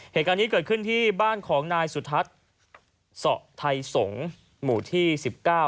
เหตุการณ์นี้เกิดขึ้นที่บ้านของนายสุทัศน์เสาะไทยสงศ์หมู่ที่สิบเก้า